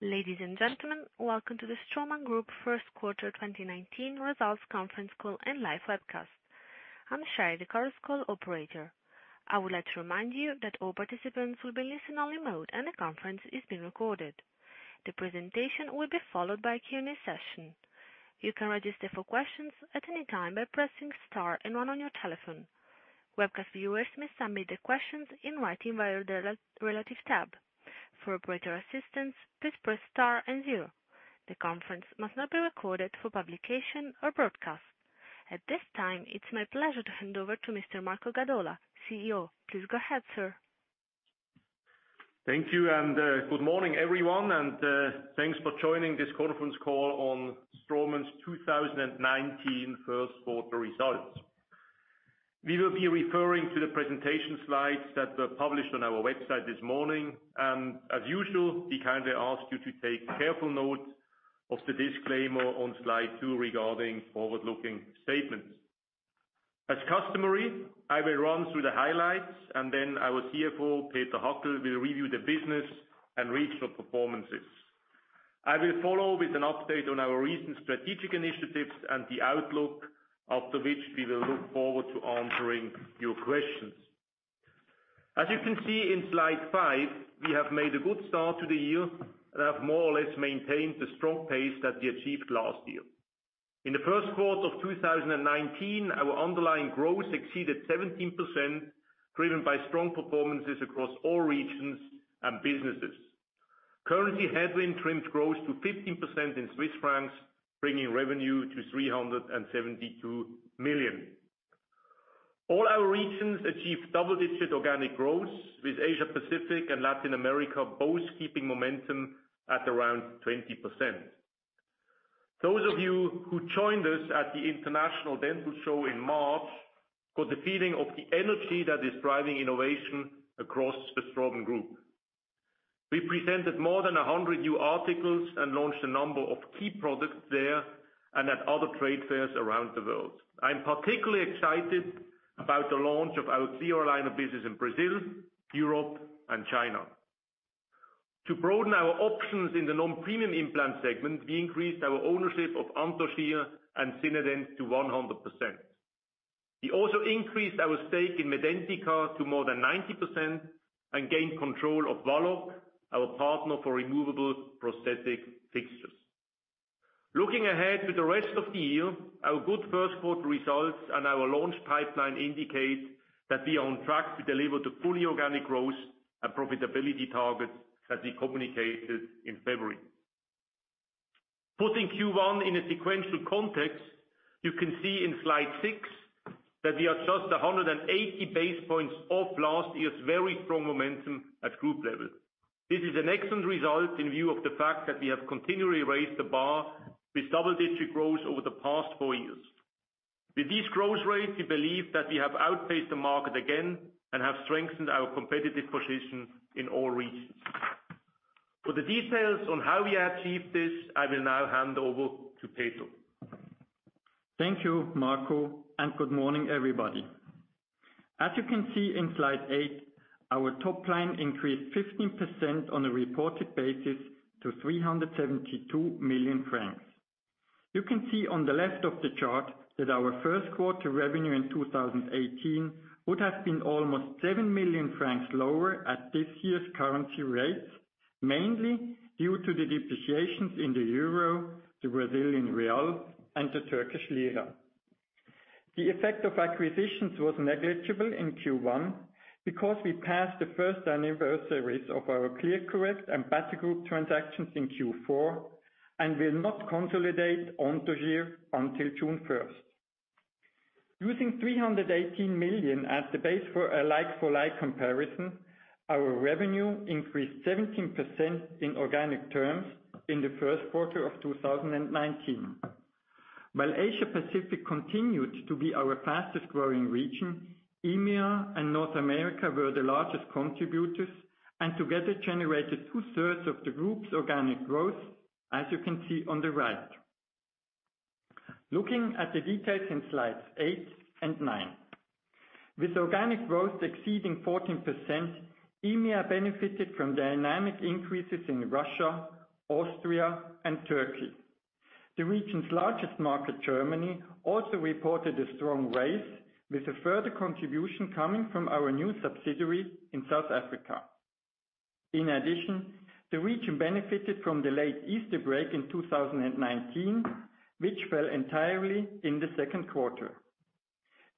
Ladies and gentlemen, welcome to the Straumann Group first quarter 2019 results conference call and live webcast. I'm Shire, the conference call operator. I would like to remind you that all participants will be listening only mode, and the conference is being recorded. The presentation will be followed by a Q&A session. You can register for questions at any time by pressing star and one on your telephone. Webcast viewers may submit their questions in writing via the relative tab. For operator assistance, please press star and zero. The conference must not be recorded for publication or broadcast. At this time, it's my pleasure to hand over to Mr. Marco Gadola, CEO. Please go ahead, sir. Thank you. Good morning, everyone, and thanks for joining this conference call on Straumann's 2019 first quarter results. We will be referring to the presentation slides that were published on our website this morning. As usual, we kindly ask you to take careful note of the disclaimer on slide two regarding forward-looking statements. As customary, I will run through the highlights. Then our CFO, Peter Hackel, will review the business and regional performances. I will follow with an update on our recent strategic initiatives and the outlook, after which we will look forward to answering your questions. As you can see in slide five, we have made a good start to the year and have more or less maintained the strong pace that we achieved last year. In the first quarter of 2019, our underlying growth exceeded 17%, driven by strong performances across all regions and businesses. Currency headwind trimmed growth to 15% in Swiss francs, bringing revenue to 372 million. All our regions achieved double-digit organic growth, with Asia-Pacific and Latin America both keeping momentum at around 20%. Those of you who joined us at the International Dental Show in March got the feeling of the energy that is driving innovation across the Straumann Group. We presented more than 100 new articles and launched a number of key products there and at other trade fairs around the world. I'm particularly excited about the launch of our CO line of business in Brazil, Europe and China. To broaden our options in the non-premium implant segment, we increased our ownership of Anthogyr and Zinedent to 100%. We also increased our stake in Medentika to more than 90% and gained control of Valoc, our partner for removable prosthetic fixtures. Looking ahead to the rest of the year, our good first quarter results and our launch pipeline indicate that we are on track to deliver the fully organic growth and profitability targets that we communicated in February. Putting Q1 in a sequential context, you can see in slide six that we are just 180 basis points off last year's very strong momentum at group level. This is an excellent result in view of the fact that we have continually raised the bar with double-digit growth over the past four years. With these growth rates, we believe that we have outpaced the market again and have strengthened our competitive position in all regions. For the details on how we achieved this, I will now hand over to Peter. Thank you, Marco, and good morning, everybody. As you can see in slide eight, our top line increased 15% on a reported basis to 372 million francs. You can see on the left of the chart that our first quarter revenue in 2018 would have been almost 7 million francs lower at this year's currency rates, mainly due to the depreciations in the EUR, the BRL, and the TRY. The effect of acquisitions was negligible in Q1 because we passed the first anniversaries of our ClearCorrect and Batigroup transactions in Q4 and will not consolidate Anthogyr until June 1st. Using 318 million as the base for a like-for-like comparison, our revenue increased 17% in organic terms in the first quarter of 2019. While Asia-Pacific continued to be our fastest-growing region, EMEA and North America were the largest contributors and together generated two-thirds of the group's organic growth, as you can see on the right. Looking at the details in slides eight and nine. With organic growth exceeding 14%, EMEA benefited from dynamic increases in Russia, Austria and Turkey. The region's largest market, Germany, also reported a strong raise, with a further contribution coming from our new subsidiary in South Africa. In addition, the region benefited from the late Easter break in 2019, which fell entirely in the second quarter.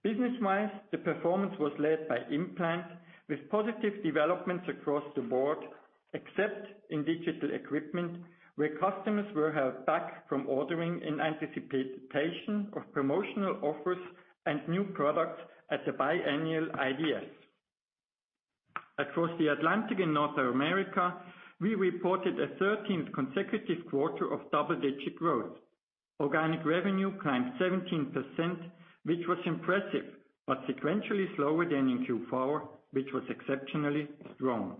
Business-wise, the performance was led by implant, with positive developments across the board, except in digital equipment, where customers were held back from ordering in anticipation of promotional offers and new products at the biannual IDS. Across the Atlantic in North America, we reported a 13th consecutive quarter of double-digit growth. Organic revenue climbed 17%, which was impressive, but sequentially slower than in Q4, which was exceptionally strong.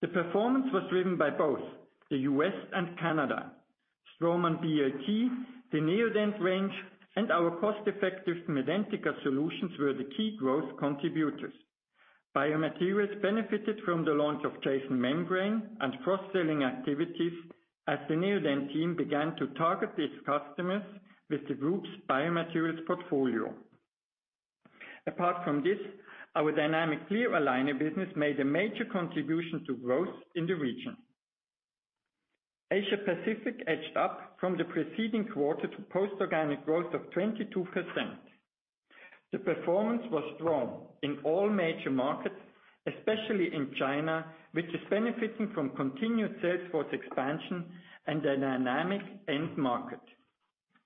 The performance was driven by both the U.S. and Canada. Straumann BLT, the Neodent range, and our cost-effective Medentika solutions were the key growth contributors. Biomaterials benefited from the launch of Jason membrane and cross-selling activities, as the Neodent team began to target these customers with the group's biomaterials portfolio. Apart from this, our dynamic clear aligner business made a major contribution to growth in the region. Asia Pacific edged up from the preceding quarter to post organic growth of 22%. The performance was strong in all major markets, especially in China, which is benefiting from continued sales force expansion and a dynamic end market.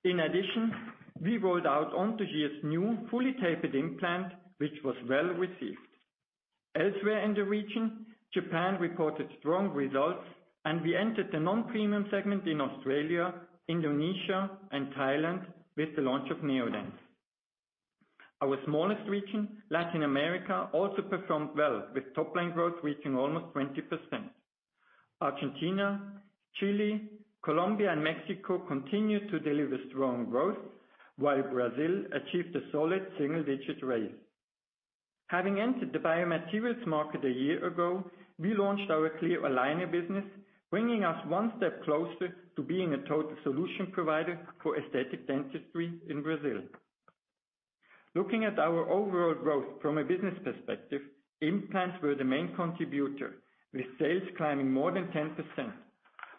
In addition, we rolled out Anthogyr's new fully tapered implant, which was well received. Elsewhere in the region, Japan reported strong results, and we entered the non-premium segment in Australia, Indonesia, and Thailand with the launch of Neodent. Our smallest region, Latin America, also performed well, with top-line growth reaching almost 20%. Argentina, Chile, Colombia, and Mexico continued to deliver strong growth, while Brazil achieved a solid single-digit rate. Having entered the biomaterials market a year ago, we launched our clear aligner business, bringing us one step closer to being a total solution provider for aesthetic dentistry in Brazil. Looking at our overall growth from a business perspective, implants were the main contributor, with sales climbing more than 10%.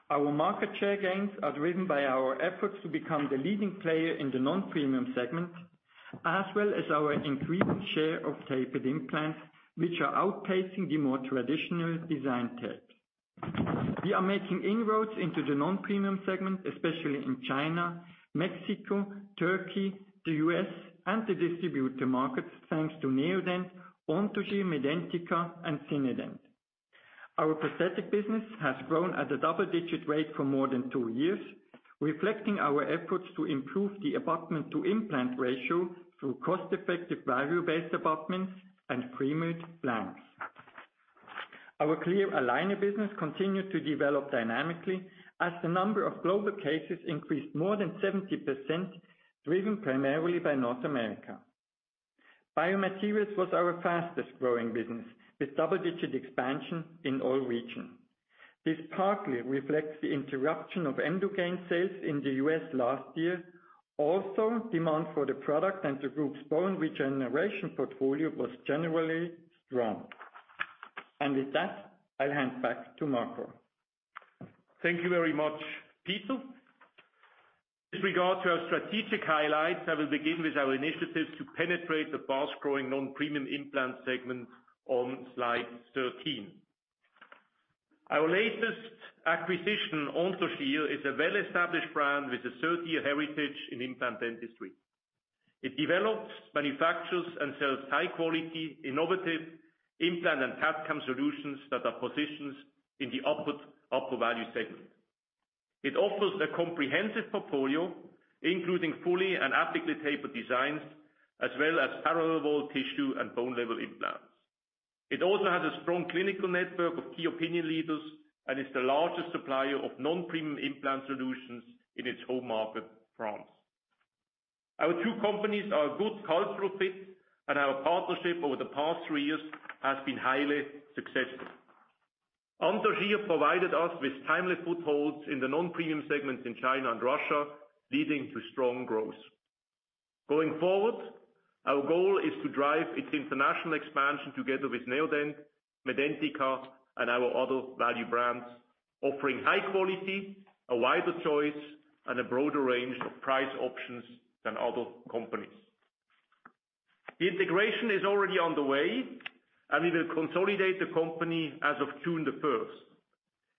Our market share gains are driven by our efforts to become the leading player in the non-premium segment, as well as our increasing share of tapered implants, which are outpacing the more traditional design type. We are making inroads into the non-premium segment, especially in China, Mexico, Turkey, the U.S., and the distributor markets, thanks to Neodent, Anthogyr, Medentika, and Zinedent. Our prosthetic business has grown at a double-digit rate for more than two years, reflecting our efforts to improve the abutment to implant ratio through cost-effective value-based abutments and premilled blanks. Our clear aligner business continued to develop dynamically as the number of global cases increased more than 70%, driven primarily by North America. Biomaterials was our fastest-growing business, with double-digit expansion in all regions. This partly reflects the interruption of Emdogain sales in the U.S. last year. Demand for the product and the group's bone regeneration portfolio was generally strong. With that, I'll hand back to Marco. Thank you very much, Peter. With regard to our strategic highlights, I will begin with our initiatives to penetrate the fast-growing non-premium implant segment on slide 13. Our latest acquisition, Anthogyr, is a well-established brand with a 30-year heritage in implant dentistry. It develops, manufactures, and sells high-quality, innovative implant and CAD/CAM solutions that are positioned in the upward upper value segment. It offers a comprehensive portfolio, including fully and ethically tapered designs, as well as parallel wall tissue and bone level implants. It also has a strong clinical network of key opinion leaders and is the largest supplier of non-premium implant solutions in its home market, France. Our two companies are a good cultural fit, and our partnership over the past three years has been highly successful. Anthogyr provided us with timely footholds in the non-premium segments in China and Russia, leading to strong growth. Going forward, our goal is to drive its international expansion together with Neodent, Medentika, and our other value brands, offering high quality, a wider choice, and a broader range of price options than other companies. The integration is already on the way, and we will consolidate the company as of June the 1st.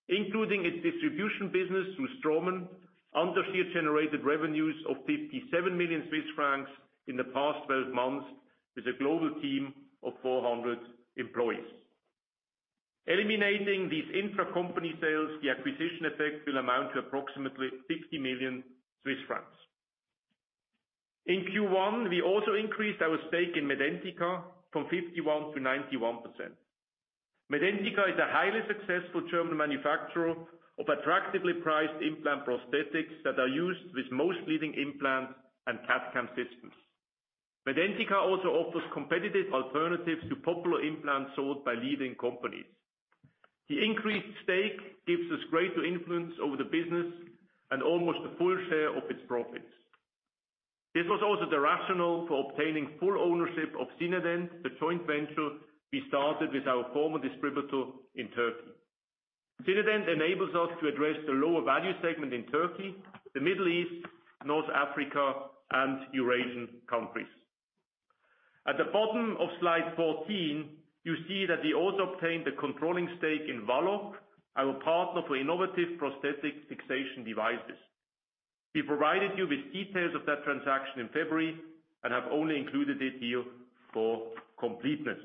Including its distribution business through Straumann, Anthogyr generated revenues of 57 million Swiss francs in the past 12 months with a global team of 400 employees. Eliminating these intracompany sales, the acquisition effect will amount to approximately 60 million Swiss francs. In Q1, we also increased our stake in Medentika from 51%-91%. Medentika is a highly successful German manufacturer of attractively priced implant prosthetics that are used with most leading implants and CAD/CAM systems. Medentika also offers competitive alternatives to popular implants sold by leading companies. The increased stake gives us greater influence over the business and almost a full share of its profits. This was also the rationale for obtaining full ownership of Zinedent, the joint venture we started with our former distributor in Turkey. Zinedent enables us to address the lower value segment in Turkey, the Middle East, North Africa, and Eurasian countries. At the bottom of slide 14, you see that we also obtained the controlling stake in Valoc, our partner for innovative prosthetic fixation devices. We provided you with details of that transaction in February and have only included it here for completeness.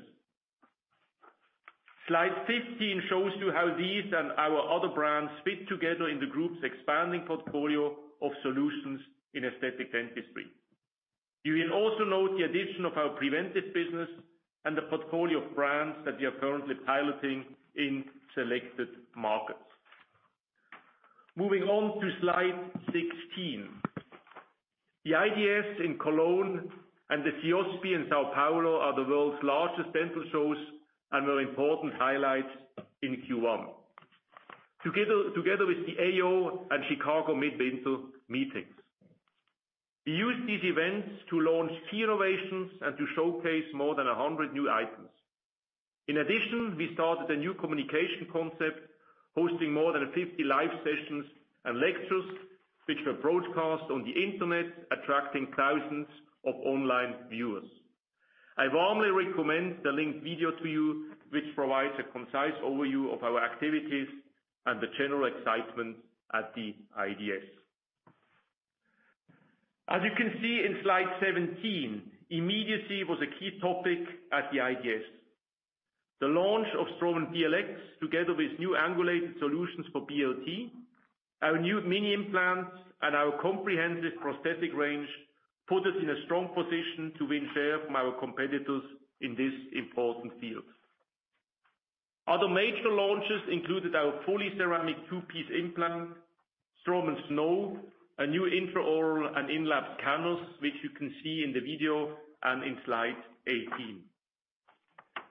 Slide 15 shows you how these and our other brands fit together in the group's expanding portfolio of solutions in aesthetic dentistry. You will also note the addition of our preventive business and the portfolio of brands that we are currently piloting in selected markets. Moving on to slide 16. The IDS in Cologne and the CIOSP in São Paulo are the world's largest dental shows, were important highlights in Q1, together with the AO and Chicago Midwinter meetings. We used these events to launch key innovations and to showcase more than 100 new items. In addition, we started a new communication concept hosting more than 50 live sessions and lectures which were broadcast on the internet, attracting thousands of online viewers. I warmly recommend the linked video to you, which provides a concise overview of our activities and the general excitement at the IDS. As you can see in slide 17, immediacy was a key topic at the IDS. The launch of Straumann BLX, together with new angulated solutions for BLT, our new mini implants, and our comprehensive prosthetic range, put us in a strong position to win share from our competitors in this important field. Other major launches included our fully ceramic two-piece implant, Straumann PURE, a new intraoral and in-lab scanners, which you can see in the video and in slide 18.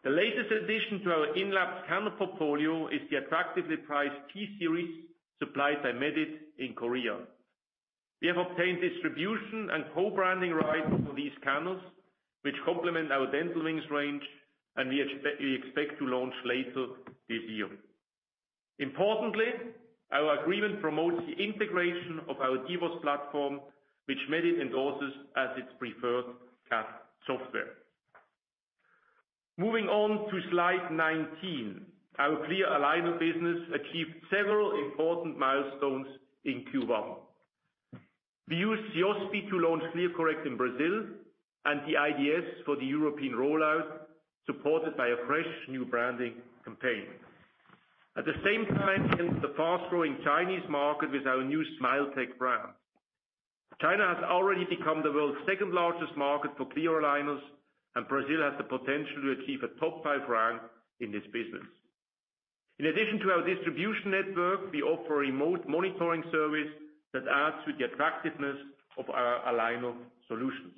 The latest addition to our in-lab scanner portfolio is the attractively priced P-series, supplied by Medit in Korea. We have obtained distribution and co-branding rights for these scanners, which complement our Dental Wings range, we expect to launch later this year. Importantly, our agreement promotes the integration of our DWOS platform, which Medit endorses as its preferred CAD software. Moving on to slide 19. Our clear aligner business achieved several important milestones in Q1. We used CIOSP to launch ClearCorrect in Brazil, the IDS for the European rollout, supported by a fresh new branding campaign. At the same time, we entered the fast-growing Chinese market with our new Smiletech brand. China has already become the world's second-largest market for clear aligners, Brazil has the potential to achieve a top-five rank in this business. In addition to our distribution network, we offer a remote monitoring service that adds to the attractiveness of our aligner solutions.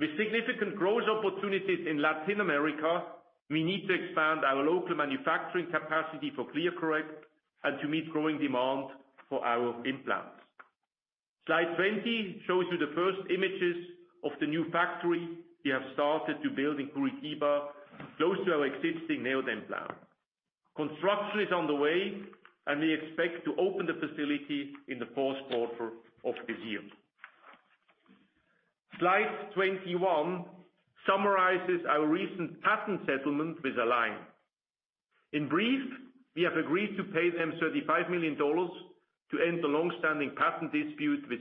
With significant growth opportunities in Latin America, we need to expand our local manufacturing capacity for ClearCorrect and to meet growing demand for our implants. Slide 20 shows you the first images of the new factory we have started to build in Curitiba, close to our existing Neodent plant. Construction is on the way, we expect to open the facility in the fourth quarter of this year. Slide 21 summarizes our recent patent settlement with Align. In brief, we have agreed to pay them CHF 35 million to end the longstanding patent dispute with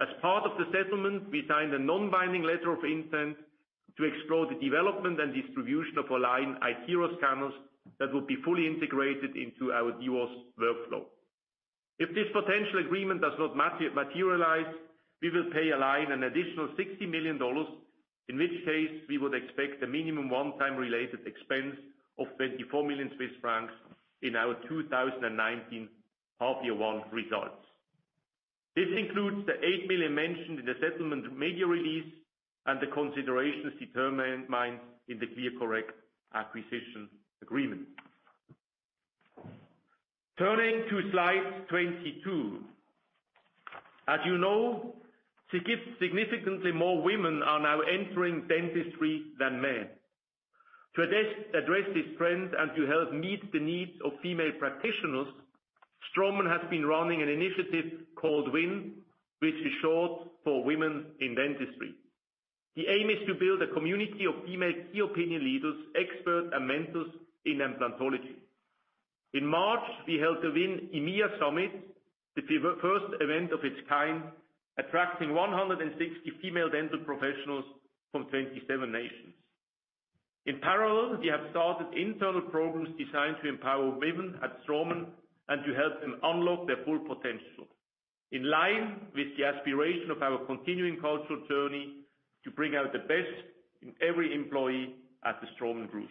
ClearCorrect. As part of the settlement, we signed a non-binding letter of intent to explore the development and distribution of Align iTero scanners that will be fully integrated into our DWOS workflow. If this potential agreement does not materialize, we will pay Align an additional CHF 60 million, in which case, we would expect a minimum one-time related expense of 24 million Swiss francs in our 2019 half-year one results. This includes the 8 million mentioned in the settlement media release and the considerations determined in the ClearCorrect acquisition agreement. Turning to slide 22. As you know, significantly more women are now entering dentistry than men. To address this trend and to help meet the needs of female practitioners, Straumann has been running an initiative called WIN, which is short for Women in Dentistry. The aim is to build a community of female key opinion leaders, experts, and mentors in implantology. In March, we held the WIN EMEA Summit, the first event of its kind, attracting 160 female dental professionals from 27 nations. In parallel, we have started internal programs designed to empower women at Straumann and to help them unlock their full potential. In line with the aspiration of our continuing cultural journey to bring out the best in every employee at the Straumann Group.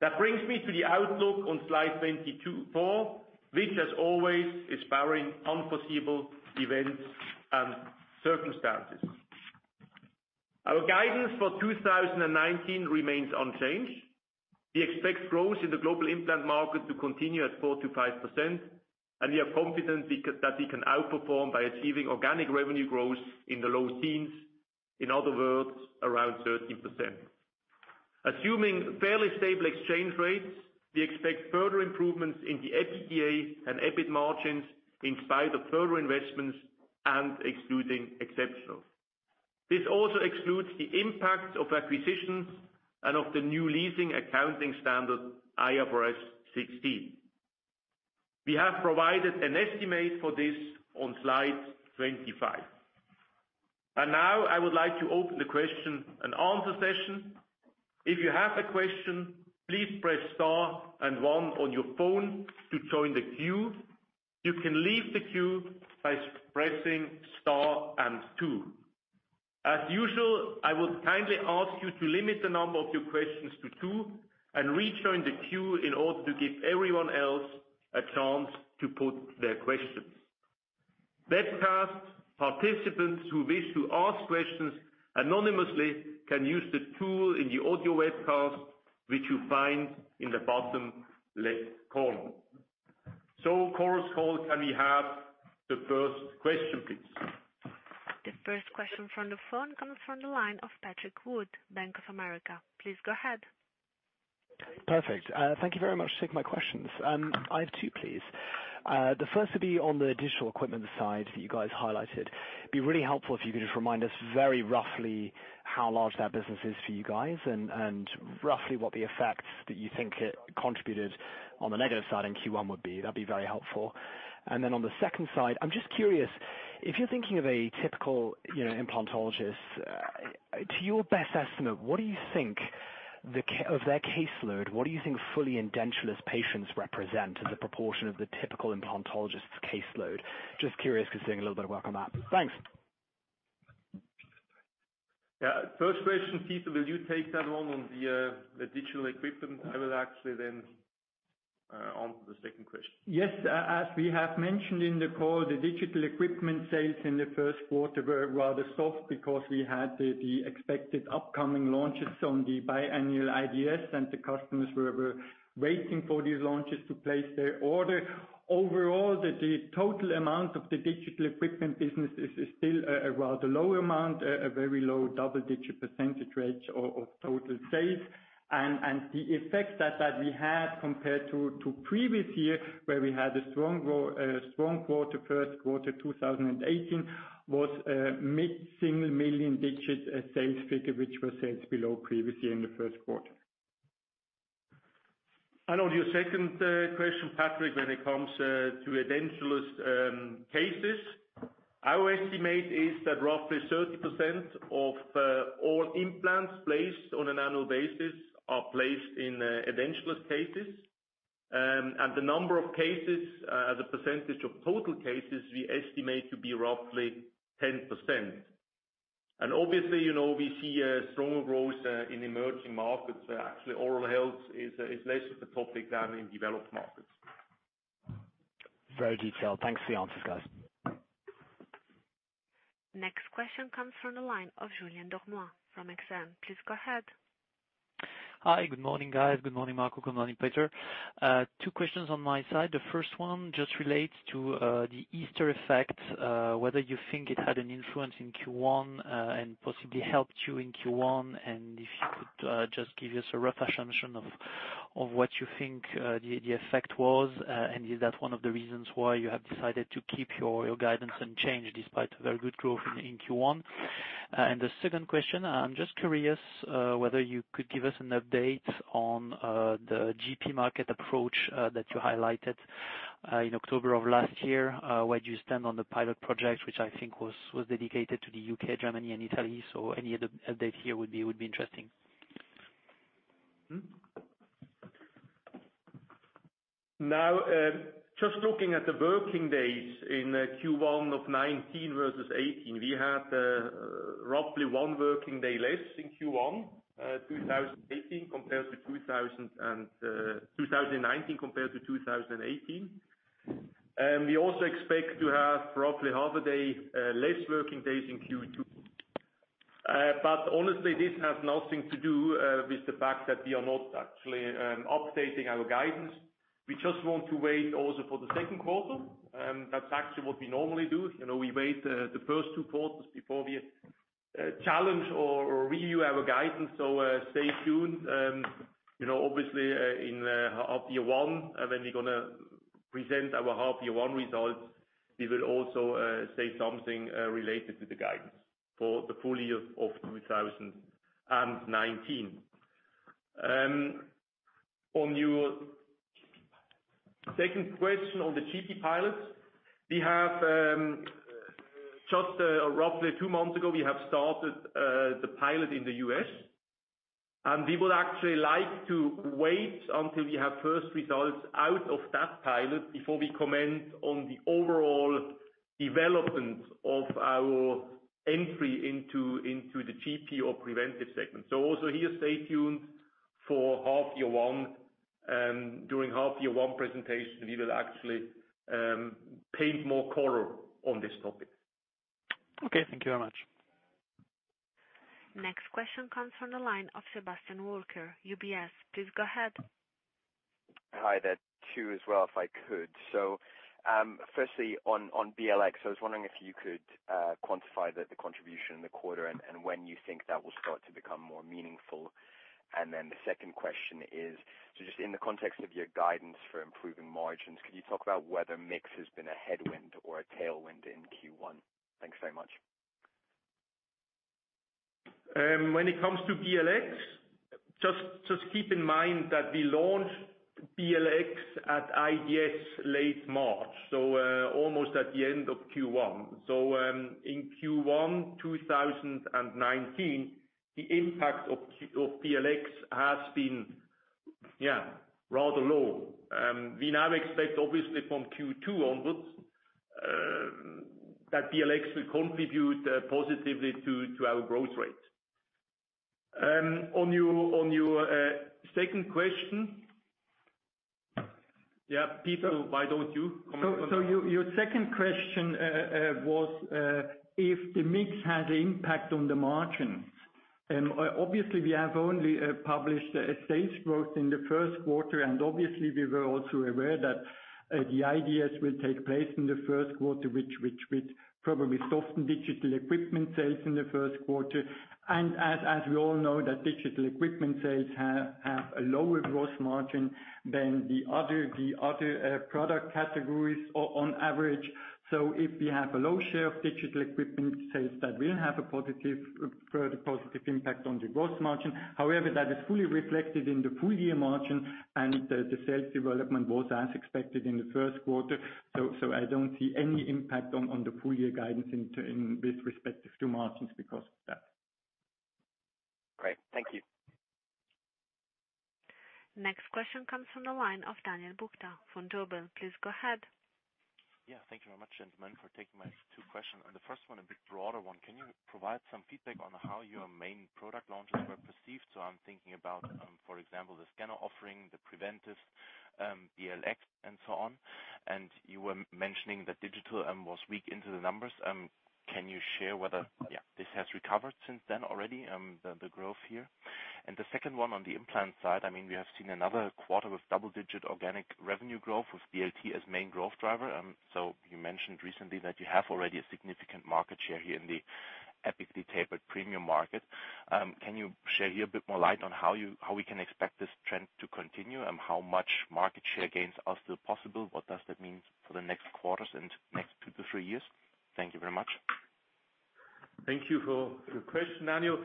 That brings me to the outlook on slide 24, which, as always, is barring unforeseeable events and circumstances. Our guidance for 2019 remains unchanged. We expect growth in the global implant market to continue at 4%-5%, and we are confident that we can outperform by achieving organic revenue growth in the low teens. In other words, around 13%. Assuming fairly stable exchange rates, we expect further improvements in the EBITDA and EBIT margins in spite of further investments and excluding exceptionals. This also excludes the impact of acquisitions and of the new leasing accounting standard, IFRS 16. We have provided an estimate for this on slide 25. Now I would like to open the question and answer session. If you have a question, please press star and one on your phone to join the queue. You can leave the queue by pressing star and two. As usual, I will kindly ask you to limit the number of your questions to two and rejoin the queue in order to give everyone else a chance to put their questions. Webcast participants who wish to ask questions anonymously can use the tool in the audio webcast, which you find in the bottom left corner. Chorus Call, can we have the first question, please? The first question from the phone comes from the line of Patrick Wood, Bank of America. Please go ahead. Perfect. Thank you very much for taking my questions. I have two, please. The first will be on the digital equipment side that you guys highlighted. It'd be really helpful if you could just remind us very roughly how large that business is for you guys, and roughly what the effects that you think it contributed on the negative side in Q1 would be. That'd be very helpful. Then on the second side, I'm just curious, if you're thinking of a typical implantologist, to your best estimate, of their caseload, what do you think fully edentulous patients represent as a proportion of the typical implantologist's caseload? Just curious, because seeing a little bit of work on that. Thanks. Yeah. First question, Peter, will you take that one on the digital equipment? I will actually then answer the second question. Yes. As we have mentioned in the call, the digital equipment sales in the first quarter were rather soft because we had the expected upcoming launches on the biannual IDS, and the customers were waiting for these launches to place their order. Overall, the total amount of the digital equipment business is still a rather low amount, a very low double-digit % rate of total sales. The effect that we had compared to previous year, where we had a strong quarter, first quarter 2018, was a mid-single million digit sales figure, which were sales below previous year in the first quarter. On your second question, Patrick, when it comes to edentulous cases, our estimate is that roughly 30% of all implants placed on an annual basis are placed in edentulous cases. The number of cases as a percentage of total cases, we estimate to be roughly 10%. Obviously, we see a stronger growth in emerging markets. Actually, oral health is less of a topic than in developed markets. Very detailed. Thanks for the answers, guys. Next question comes from the line of Julien Dormois from Exane. Please go ahead. Hi. Good morning, guys. Good morning, Marco. Good morning, Peter. Two questions on my side. The first one just relates to the Easter effect, whether you think it had an influence in Q1 and possibly helped you in Q1. If you could just give us a rough assumption of what you think the effect was. Is that one of the reasons why you have decided to keep your guidance unchanged despite very good growth in Q1? The second question, I'm just curious whether you could give us an update on the GP market approach that you highlighted in October of last year. Where do you stand on the pilot project, which I think was dedicated to the U.K., Germany and Italy? Any update here would be interesting. Just looking at the working days in Q1 of 2019 versus 2018, we had roughly one working day less since Q1 2019 compared to 2018. We also expect to have roughly half a day less working days in Q2. Honestly, this has nothing to do with the fact that we are not actually updating our guidance. We just want to wait also for the second quarter. That's actually what we normally do. We wait the first two quarters before we challenge or review our guidance. Stay tuned. Obviously, in half year one, when we're going to present our half year one results, we will also say something related to the guidance for the full year of 2019. On your second question on the GP pilots, just roughly two months ago, we have started the pilot in the U.S. We would actually like to wait until we have first results out of that pilot before we comment on the overall development of our entry into the GP or preventive segment. Also here, stay tuned for half year one. During half year one presentation, we will actually paint more color on this topic. Okay. Thank you very much. Next question comes from the line of Sebastian Walker, UBS. Please go ahead. Hi there. Two as well, if I could. Firstly on BLX, I was wondering if you could quantify the contribution in the quarter and when you think that will start to become more meaningful. The second question is, just in the context of your guidance for improving margins, could you talk about whether mix has been a headwind or a tailwind in Q1? Thanks so much. When it comes to BLX, just keep in mind that we launched BLX at IDS late March, so almost at the end of Q1. In Q1 2019, the impact of BLX has been rather low. We now expect, obviously, from Q2 onwards, that BLX will contribute positively to our growth rate. On your second question, Peter, why don't you comment on that? Your second question was if the mix has impact on the margins. We have only published a sales growth in the first quarter, and we were also aware that the IDS will take place in the first quarter, which probably soften digital equipment sales in the first quarter. As we all know that digital equipment sales have a lower gross margin than the other product categories on average. If we have a low share of digital equipment sales, that will have a further positive impact on the gross margin. However, that is fully reflected in the full year margin and the sales development was as expected in the first quarter. I don't see any impact on the full year guidance with respect to margins because of that. Great. Thank you. Next question comes from the line of Daniel Buchta, Vontobel. Please go ahead. Thank you very much, gentlemen, for taking my two questions. The first one, a bit broader one, can you provide some feedback on how your main product launches were perceived? I'm thinking about, for example, the scanner offering, the preventive BLX, and so on. You were mentioning that digital was weak into the numbers. Can you share whether this has recovered since then already, the growth here? The second one on the implant side, we have seen another quarter of double-digit organic revenue growth with BLT as main growth driver. You mentioned recently that you have already a significant market share here in the apically tapered premium market. Can you shed here a bit more light on how we can expect this trend to continue and how much market share gains are still possible? What does that mean for the next quarters and next two to three years? Thank you very much. Thank you for the question, Daniel.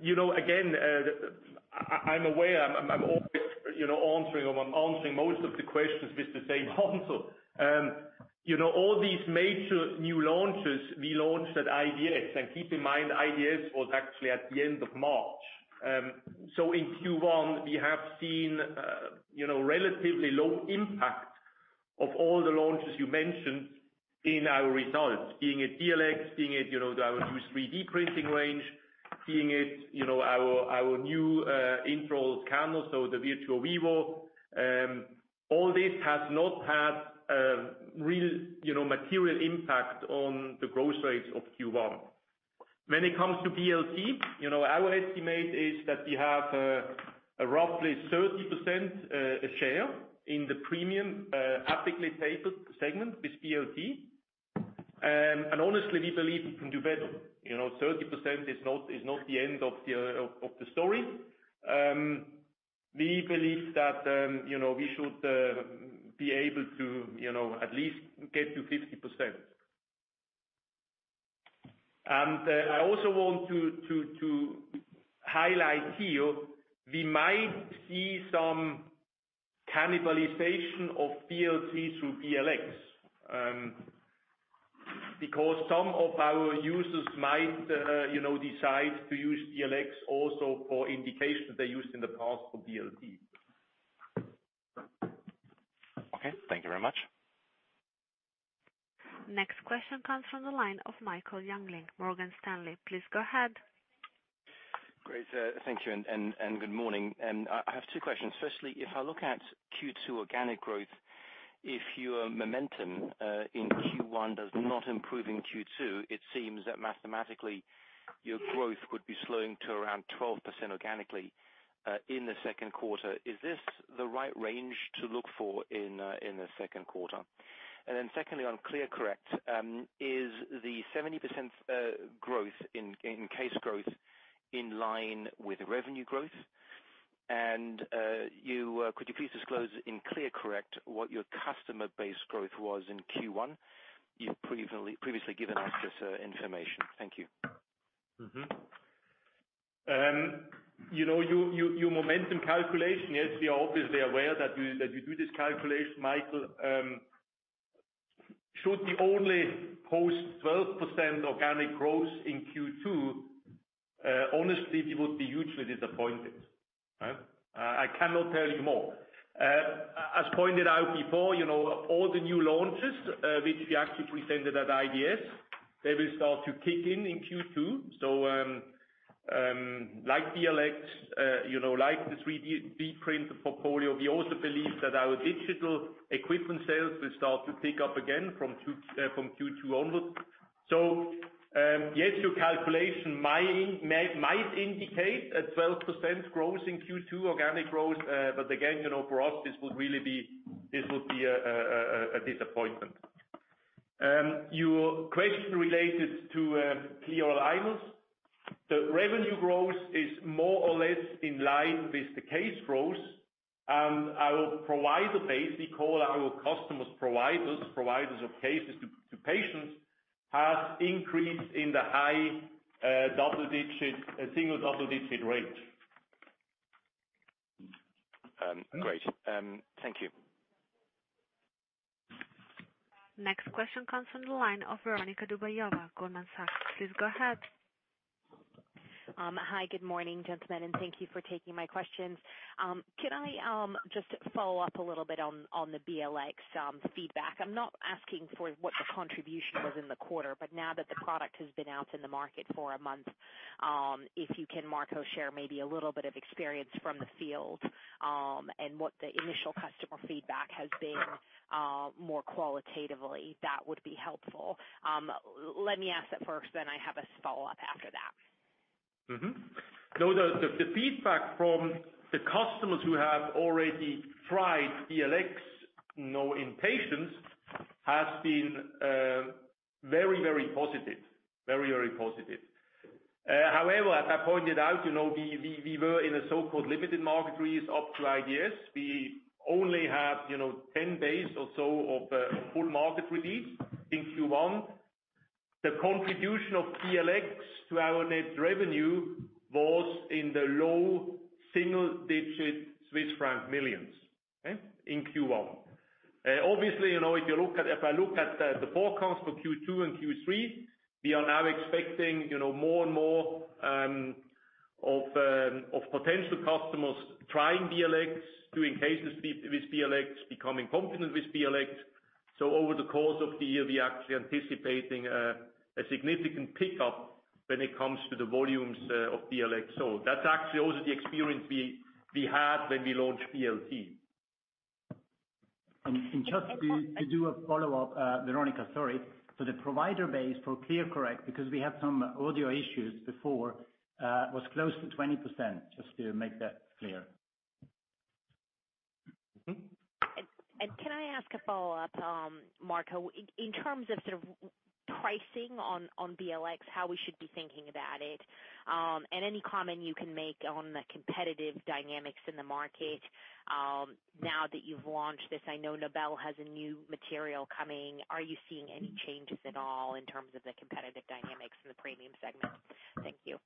Again, I am aware I am always answering most of the questions with the same answer. All these major new launches we launched at IDS. Keep in mind, IDS was actually at the end of March. In Q1, we have seen relatively low impact of all the launches you mentioned in our results, being it BLX, being it our new 3D printing range, being it our new intraoral scanner, the Virtuo Vivo. All this has not had real material impact on the growth rates of Q1. When it comes to BLT, our estimate is that we have roughly 30% share in the premium epically tapered segment with BLT. Honestly, we believe we can do better. 30% is not the end of the story. We believe that we should be able to at least get to 50%. I also want to highlight here, we might see some cannibalization of BLT through BLX, because some of our users might decide to use BLX also for indications they used in the past for BLT. Okay. Thank you very much. Next question comes from the line of Michael Jüngling, Morgan Stanley. Please go ahead. Great. Thank you. Good morning. I have two questions. If I look at Q2 organic growth, if your momentum in Q1 does not improve in Q2, it seems that mathematically your growth would be slowing to around 12% organically, in the second quarter. Is this the right range to look for in the second quarter? Secondly, on ClearCorrect, is the 70% growth in case growth in line with revenue growth? Could you please disclose in ClearCorrect what your customer base growth was in Q1? You've previously given us this information. Thank you. Your momentum calculation, yes, we are obviously aware that you do this calculation, Michael. Should we only post 12% organic growth in Q2, honestly, we would be hugely disappointed. I cannot tell you more. As pointed out before, all the new launches, which we actually presented at IDS, they will start to kick in in Q2. Like BLX, like this 3D print portfolio, we also believe that our digital equipment sales will start to pick up again from Q2 onwards. Yes, your calculation might indicate a 12% growth in Q2 organic growth. Again, for us, this would be a disappointment. Your question related to Clear Aligners, the revenue growth is more in line with the case growth, our provider base, we call our customers providers of cases to patients, has increased in the high single-double digit rate. Great. Thank you. Next question comes from the line of Veronika Dubajova, Goldman Sachs. Please go ahead. Hi. Good morning, gentlemen, and thank you for taking my questions. Can I just follow up a little bit on the BLX feedback? I am not asking for what the contribution was in the quarter, but now that the product has been out in the market for a month, if you can, Marco, share maybe a little bit of experience from the field, and what the initial customer feedback has been more qualitatively, that would be helpful. Let me ask that first, then I have a follow-up after that. The feedback from the customers who have already tried BLX now in patients has been very positive. However, as I pointed out, we were in a so-called limited market release up to IDS. We only have 10 days or so of full market release in Q1. The contribution of BLX to our net revenue was in the low single-digit Swiss francs millions in Q1. Obviously, if I look at the forecast for Q2 and Q3, we are now expecting more and potential customers trying BLX, doing cases with BLX, becoming confident with BLX. Over the course of the year, we are actually anticipating a significant pickup when it comes to the volumes of BLX sold. That is actually also the experience we had when we launched BLT. Just to do a follow-up, Veronika, sorry. The provider base for ClearCorrect, because we had some audio issues before, was close to 20%, just to make that clear. Can I ask a follow-up, Marco? In terms of pricing on BLX, how we should be thinking about it, and any comment you can make on the competitive dynamics in the market now that you've launched this. I know Nobel has a new material coming. Are you seeing any changes at all in terms of the competitive dynamics in the premium segment? Thank you.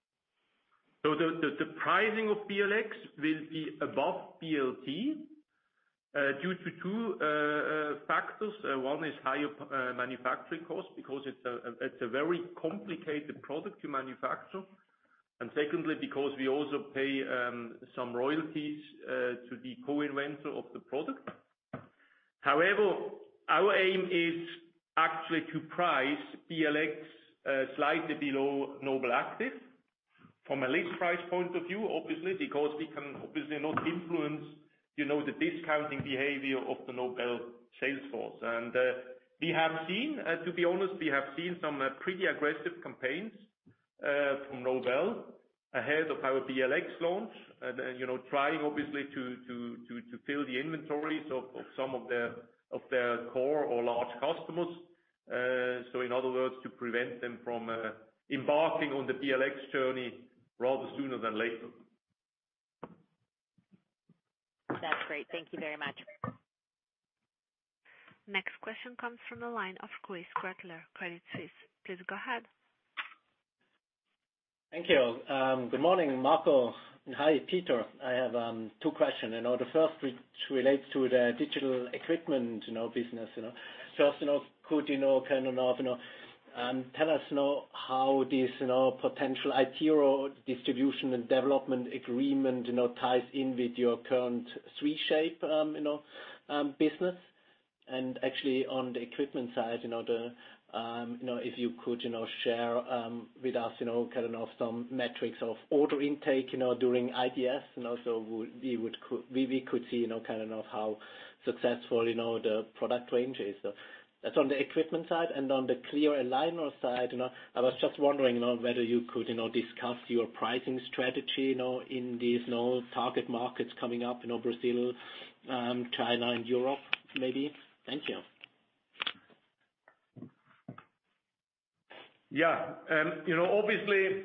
The pricing of BLX will be above BLT due to two factors. One is higher manufacturing cost, because it's a very complicated product to manufacture. Secondly, because we also pay some royalties to the co-inventor of the product. However, our aim is actually to price BLX slightly below NobelActive from a list price point of view, obviously, because we can obviously not influence the discounting behavior of the Nobel sales force. To be honest, we have seen some pretty aggressive campaigns from Nobel ahead of our BLX launch, trying obviously to fill the inventories of some of their core or large customers. In other words, to prevent them from embarking on the BLX journey rather sooner than later. That's great. Thank you very much. Next question comes from the line of Chris Gretler, Credit Suisse. Please go ahead. Thank you. Good morning, Marco, and hi, Peter. I have two questions. The first relates to the digital equipment business. First, could you tell us how this potential iTero distribution and development agreement ties in with your current 3Shape business? Actually on the equipment side, if you could share with us some metrics of order intake during IDS, so we could see how successful the product range is. That's on the equipment side. On the Clear Aligner side, I was just wondering whether you could discuss your pricing strategy in these target markets coming up, Brazil, China, and Europe, maybe. Thank you. Yeah. Obviously,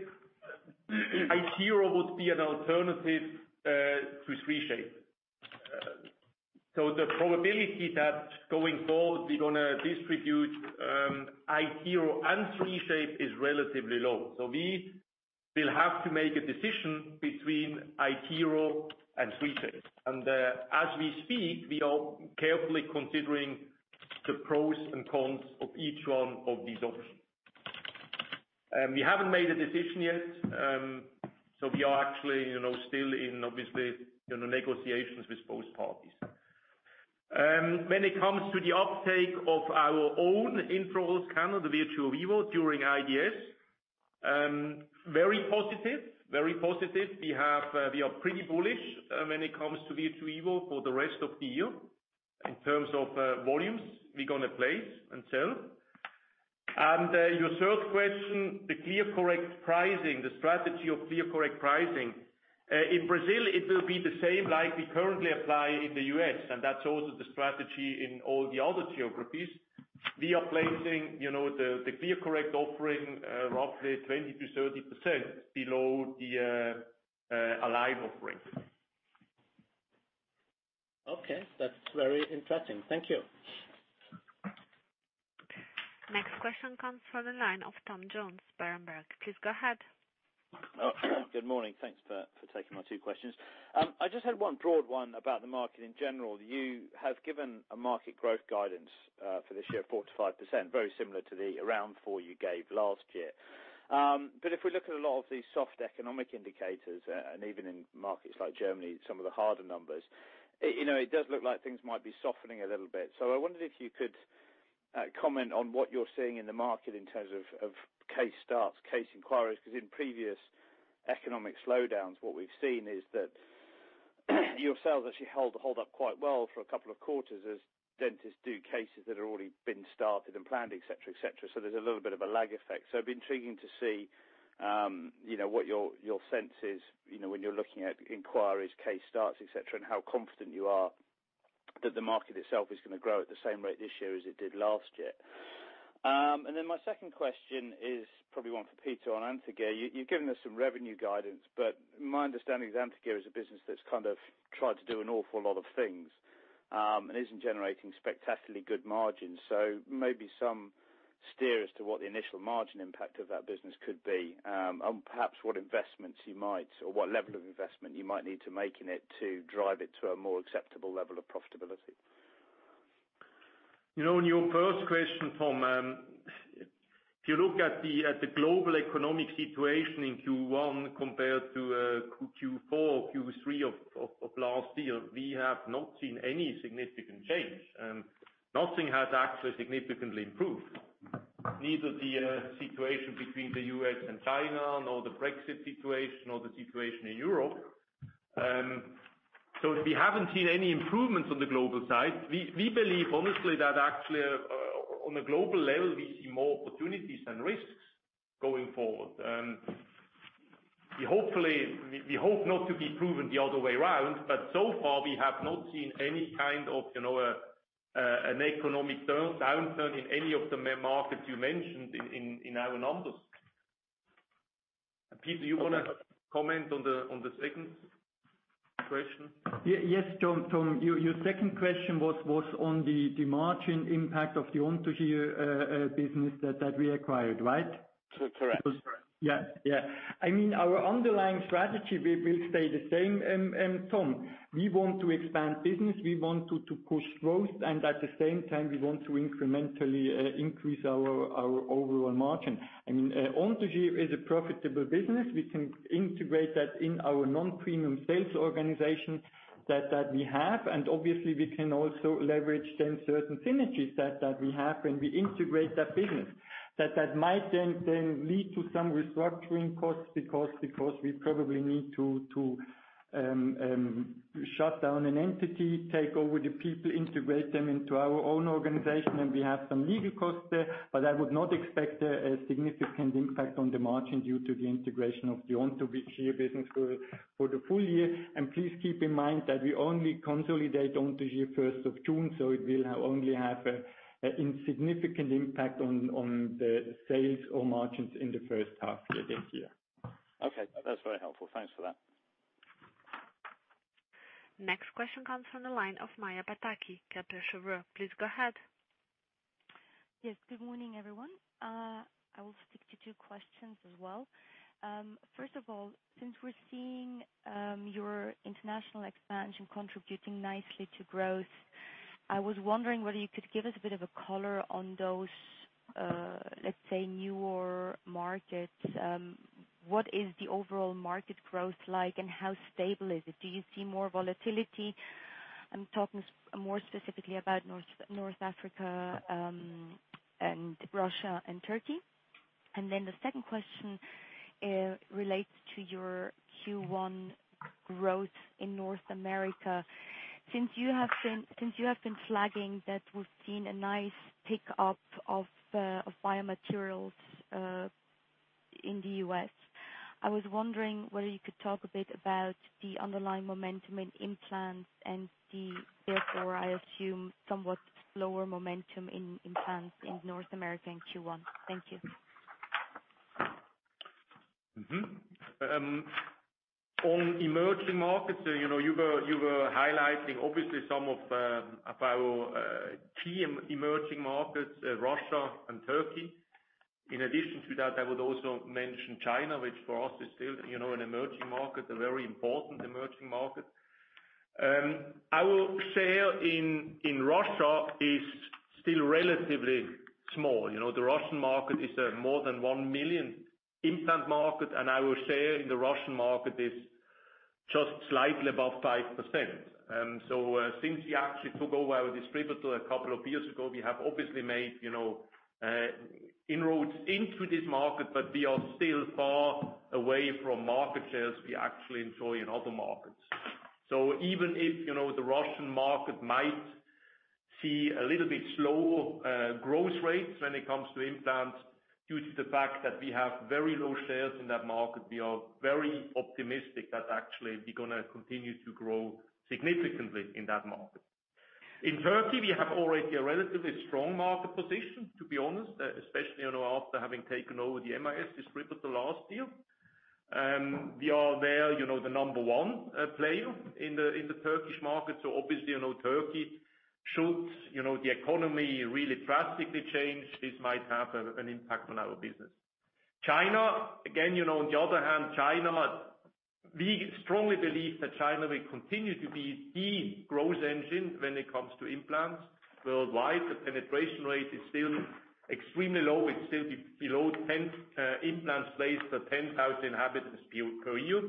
iTero would be an alternative to 3Shape. The probability that going forward, we're going to distribute iTero and 3Shape is relatively low. We will have to make a decision between iTero and 3Shape. As we speak, we are carefully considering the pros and cons of each one of these options. We haven't made a decision yet. We are actually still in negotiations with both parties. When it comes to the uptake of our own intraoral scanner, the Virtuo Vivo, during IDS, very positive. We are pretty bullish when it comes to Virtuo Vivo for the rest of the year in terms of volumes we're going to place and sell. Your third question, the strategy of ClearCorrect pricing. In Brazil, it will be the same like we currently apply in the U.S. That's also the strategy in all the other geographies. We are placing the ClearCorrect offering roughly 20%-30% below the Align offering. Okay. That's very interesting. Thank you. Next question comes from the line of Tom Jones, Berenberg. Please go ahead. Oh, good morning. Thanks for taking my two questions. I just had one broad one about the market in general. You have given a market growth guidance for this year of 4%-5%, very similar to the around four you gave last year. If we look at a lot of these soft economic indicators, and even in markets like Germany, some of the harder numbers, it does look like things might be softening a little bit. I wondered if you could comment on what you're seeing in the market in terms of case starts, case inquiries, because in previous economic slowdowns, what we've seen is that your sales actually hold up quite well for a couple of quarters as dentists do cases that have already been started and planned, et cetera. There's a little bit of a lag effect. It'd be intriguing to see what your sense is when you're looking at inquiries, case starts, et cetera, and how confident you are that the market itself is going to grow at the same rate this year as it did last year. My second question is probably one for Peter on Anthogyr. You've given us some revenue guidance, my understanding is Anthogyr is a business that's tried to do an awful lot of things, and isn't generating spectacularly good margins. Maybe some steer as to what the initial margin impact of that business could be, and perhaps what level of investment you might need to make in it to drive it to a more acceptable level of profitability. On your first question, Tom, if you look at the global economic situation in Q1 compared to Q4 or Q3 of last year, we have not seen any significant change. Nothing has actually significantly improved. Neither the situation between the U.S. and China, nor the Brexit situation or the situation in Europe. We haven't seen any improvements on the global side. We believe, honestly, that actually on a global level, we see more opportunities than risks going forward. We hope not to be proven the other way around, so far we have not seen any kind of an economic downturn in any of the main markets you mentioned in our numbers. Peter, you want to comment on the second question? Yes, Tom. Your second question was on the margin impact of the Anthogyr business that we acquired, right? Correct. Yeah. Our underlying strategy will stay the same, Tom. We want to expand business. We want to push growth. At the same time, we want to incrementally increase our overall margin. Anthogyr is a profitable business. We can integrate that in our non-premium sales organization that we have. Obviously we can also leverage then certain synergies that we have when we integrate that business. That might then lead to some restructuring costs because we probably need to shut down an entity, take over the people, integrate them into our own organization, and we have some legal costs there, I would not expect a significant impact on the margin due to the integration of the Anthogyr business for the full year. Please keep in mind that we only consolidate Anthogyr 1st of June, it will only have an insignificant impact on the sales or margins in the first half of the year. Okay. That's very helpful. Thanks for that. Next question comes from the line of Maja Pataki, Kepler Cheuvreux. Please go ahead. Yes, good morning, everyone. I will stick to two questions as well. First of all, since we're seeing your international expansion contributing nicely to growth, I was wondering whether you could give us a bit of a color on those, let's say, newer markets. What is the overall market growth like and how stable is it? Do you see more volatility? I'm talking more specifically about North Africa, and Russia and Turkey. The second question relates to your Q1 growth in North America. You have been flagging that we've seen a nice pick-up of biomaterials in the U.S. I was wondering whether you could talk a bit about the underlying momentum in implants and the therefore, I assume, somewhat slower momentum in implants in North America in Q1. Thank you. On emerging markets, you were highlighting obviously some of our key emerging markets, Russia and Turkey. In addition to that, I would also mention China, which for us is still an emerging market, a very important emerging market. Our share in Russia is still relatively small. The Russian market is a more than 1 million implant market, and our share in the Russian market is just slightly above 5%. Since we actually took over our distributor a couple of years ago, we have obviously made inroads into this market, but we are still far away from market shares we actually enjoy in other markets. Even if the Russian market might see a little bit slower growth rates when it comes to implants, due to the fact that we have very low shares in that market, we are very optimistic that actually we're going to continue to grow significantly in that market. In Turkey, we have already a relatively strong market position, to be honest, especially after having taken over the MIS distributor last year. We are there the number 1 player in the Turkish market, so obviously Turkey should the economy really drastically change, this might have an impact on our business. China, again, on the other hand, we strongly believe that China will continue to be the growth engine when it comes to implants worldwide. The penetration rate is still extremely low. It's still below 10 implants placed per 10,000 inhabitants per year,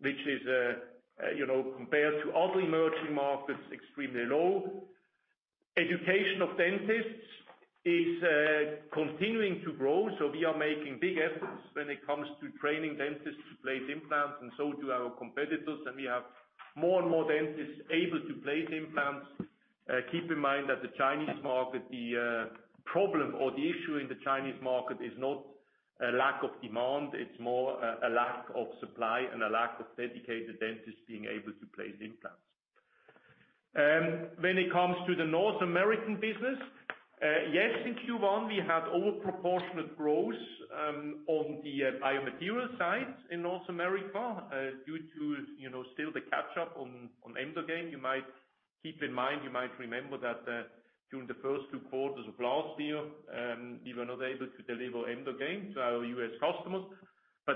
which is compared to other emerging markets, extremely low. Education of dentists is continuing to grow. We are making big efforts when it comes to training dentists to place implants, and so do our competitors. We have more and more dentists able to place implants. Keep in mind that the Chinese market, the problem or the issue in the Chinese market is not a lack of demand. It is more a lack of supply and a lack of dedicated dentists being able to place implants. When it comes to the North American business, yes, in Q1, we had over proportionate growth on the biomaterial side in North America due to still the catch up on Emdogain. Keep in mind, you might remember that during the first two quarters of last year, we were not able to deliver Emdogain to our U.S. customers.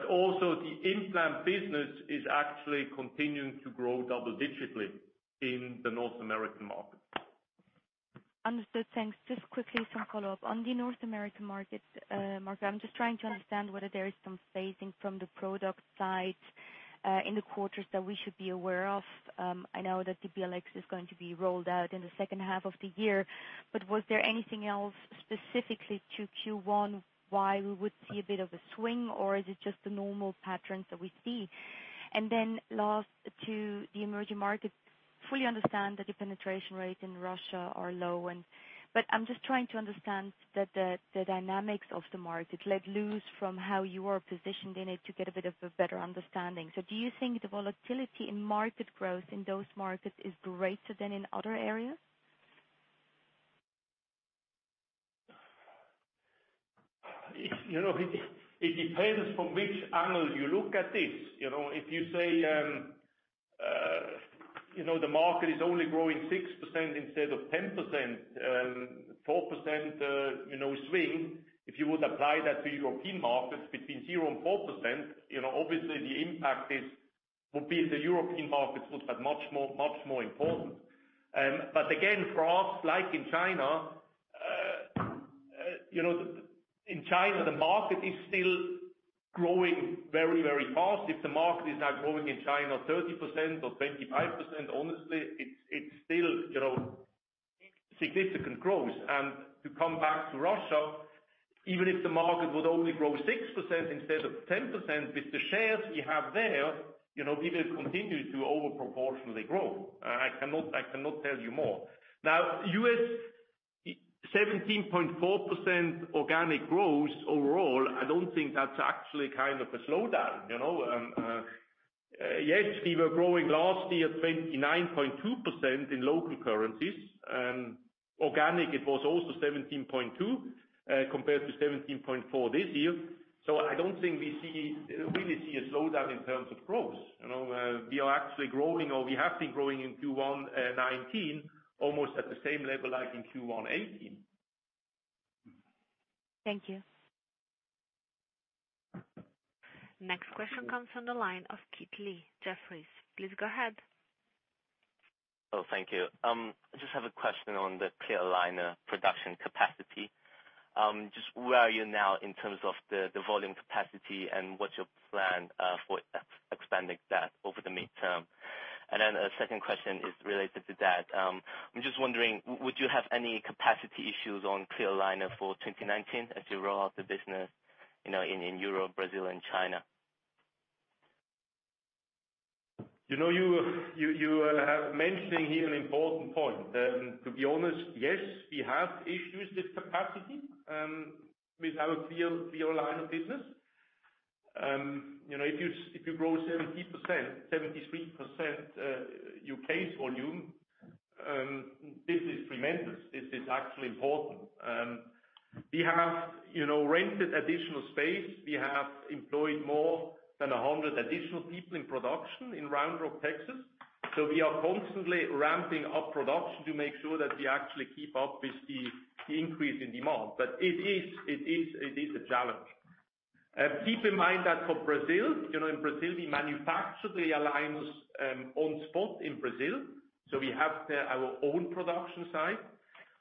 Also the implant business is actually continuing to grow double-digitally in the North American market. Understood. Thanks. Just quickly some follow-up. On the North American market, Marco, I'm just trying to understand whether there is some phasing from the product side in the quarters that we should be aware of. I know that the BLX is going to be rolled out in the second half of the year. Was there anything else specifically to Q1 why we would see a bit of a swing, or is it just the normal patterns that we see? Then last to the emerging markets. Fully understand that the penetration rate in Russia are low. I'm just trying to understand the dynamics of the market, let loose from how you are positioned in it to get a bit of a better understanding. Do you think the volatility in market growth in those markets is greater than in other areas? It depends from which angle you look at this. If you say the market is only growing 6% instead of 10%, 4% swing, if you would apply that to European markets between 0% and 4%, obviously the impact would be the European markets would have much more important. Again, for us, like in China, the market is still growing very, very fast. If the market is now growing in China 30% or 25%, honestly, it is still significant growth. To come back to Russia, even if the market would only grow 6% instead of 10%, with the shares we have there, we will continue to over proportionally grow. I cannot tell you more. Now, U.S. 17.4% organic growth overall, I do not think that is actually a slowdown. Yes, we were growing last year 29.2% in local currencies, and organic it was also 17.2% compared to 17.4% this year. I do not think we really see a slowdown in terms of growth. We are actually growing, or we have been growing in Q1 2019 almost at the same level like in Q1 2018. Thank you. Next question comes from the line of Kit Lee, Jefferies. Please go ahead. Thank you. I just have a question on the clear aligner production capacity. Just where are you now in terms of the volume capacity, and what's your plan for expanding that over the midterm? Then a second question is related to that. I'm just wondering, would you have any capacity issues on clear aligner for 2019 as you roll out the business in Europe, Brazil, and China? You are mentioning here an important point. To be honest, yes, we have issues with capacity with our clear aligner business. If you grow 70%, 73% U.K. volume, this is tremendous. This is actually important. We have rented additional space. We have employed more than 100 additional people in production in Round Rock, Texas. We are constantly ramping up production to make sure that we actually keep up with the increase in demand. It is a challenge. Keep in mind that for Brazil, in Brazil, we manufacture the aligners on spot in Brazil. We have our own production site.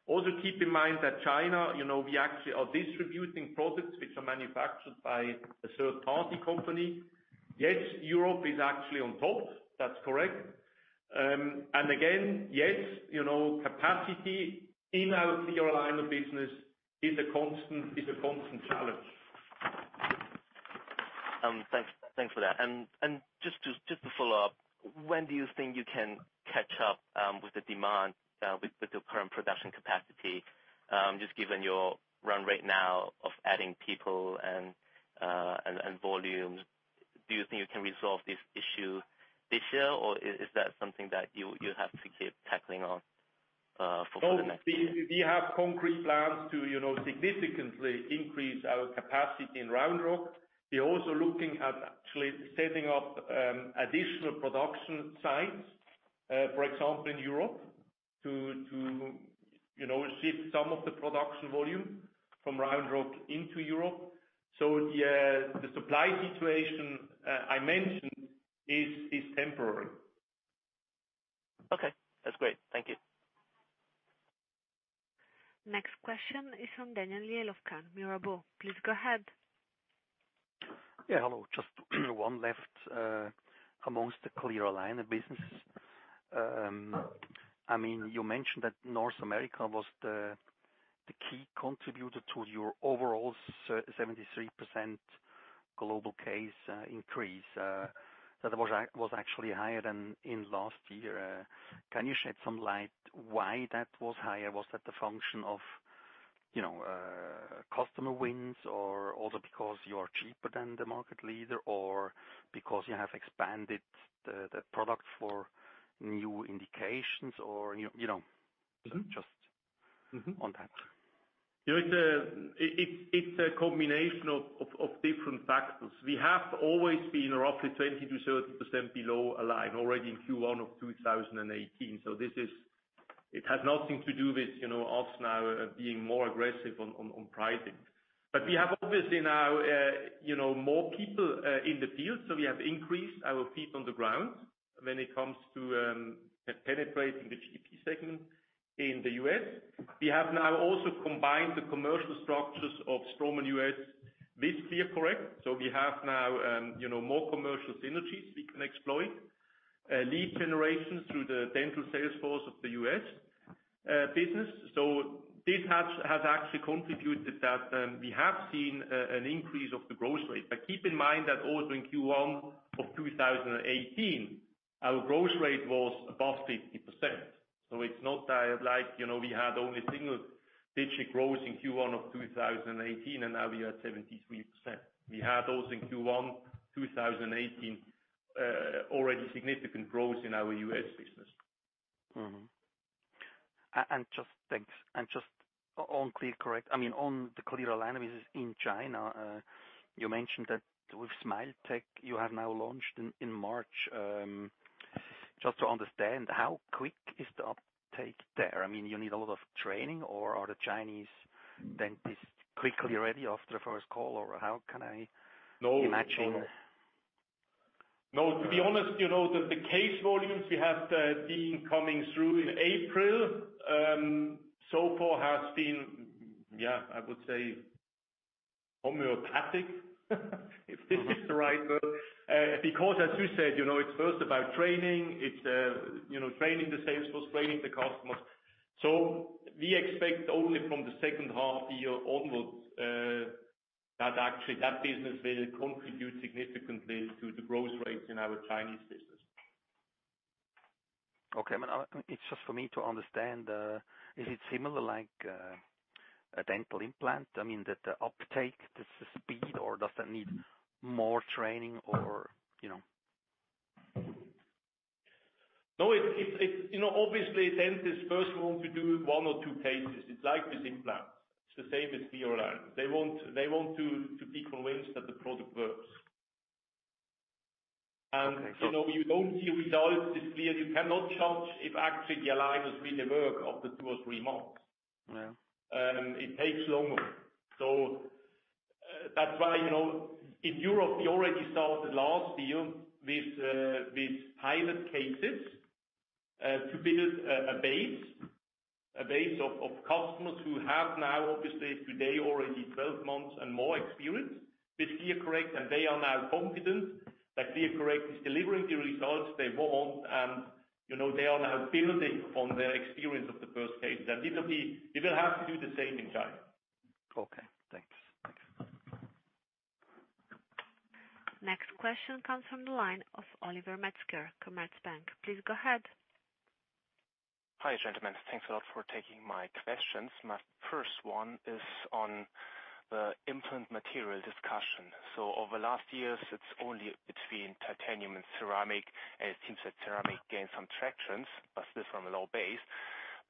Also, keep in mind that China, we actually are distributing products which are manufactured by a third-party company. Yes, Europe is actually on top. That's correct. Again, yes, capacity in our clear aligner business is a constant challenge Thanks for that. Just to follow up, when do you think you can catch up with the demand with your current production capacity? Just given your run rate now of adding people and volumes, do you think you can resolve this issue this year, or is that something that you have to keep tackling on for the next year? We have concrete plans to significantly increase our capacity in Round Rock. We're also looking at actually setting up additional production sites, for example, in Europe, to shift some of the production volume from Round Rock into Europe. The supply situation I mentioned is temporary. Okay. That's great. Thank you. Next question is from Daniel Jelovcan, Mirabaud. Please go ahead. Yeah. Hello. Just one left. Amongst the clear aligner businesses, you mentioned that North America was the key contributor to your overall 73% global case increase. That was actually higher than in last year. Can you shed some light why that was higher? Was that the function of customer wins or also because you are cheaper than the market leader, or because you have expanded the product for new indications? Just on that. It's a combination of different factors. We have always been roughly 20%-30% below Align, already in Q1 of 2018. It has nothing to do with us now being more aggressive on pricing. We have obviously now more people in the field, so we have increased our feet on the ground when it comes to penetrating the GP segment in the U.S. We have now also combined the commercial structures of Straumann U.S. with ClearCorrect, so we have now more commercial synergies we can exploit. Lead generations through the dental sales force of the U.S. business. This has actually contributed that we have seen an increase of the growth rate. Keep in mind that also in Q1 of 2018, our growth rate was above 50%. It's not like we had only single-digit growth in Q1 of 2018 and now we are at 73%. We had also in Q1 2018 already significant growth in our U.S. business. Mm-hmm. Thanks. Just on the clear aligners in China, you mentioned that with Smiletech, you have now launched in March. Just to understand, how quick is the uptake there? You need a lot of training or are the Chinese dentists quickly ready after the first call, or how can I imagine? No, to be honest, the case volumes we have been coming through in April, so far has been, I would say homeopathic, if this is the right word. As you said, it's first about training. It's training the sales force, training the customers. We expect only from the second half year onwards that actually that business will contribute significantly to the growth rates in our Chinese business. Okay. It's just for me to understand, is it similar like a dental implant? I mean, that the uptake, the speed, or does that need more training? No, obviously, dentists first want to do one or two cases. It's like with implants. It's the same with ClearCorrect. They want to be convinced that the product works. Okay. You don't see results with ClearCorrect, you cannot judge if actually the aligners really work after two or three months. Yeah. It takes longer. That's why, in Europe, we already started last year with pilot cases to build a base of customers who have now obviously today already 12 months and more experience with ClearCorrect. They are now confident that ClearCorrect is delivering the results they want, and they are now building from their experience of the first case. We will have to do the same in China. Okay, thanks. Next question comes from the line of Oliver Metzger, Commerzbank. Please go ahead. Hi, gentlemen. Thanks a lot for taking my questions. My first one is on the implant material discussion. Over last years, it's only between titanium and ceramic, and it seems that ceramic gained some tractions, but still from a low base.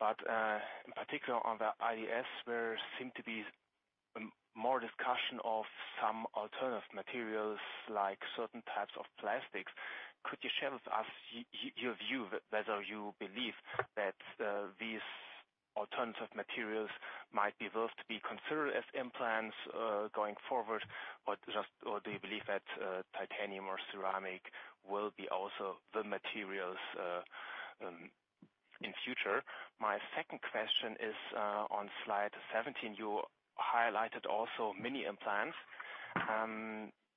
In particular on the IDS, there seem to be more discussion of some alternative materials like certain types of plastics. Could you share with us your view whether you believe that these alternative materials might be worth to be considered as implants going forward, or do you believe that titanium or ceramic will be also the materials in future? My second question is, on slide 17, you highlighted also mini implants.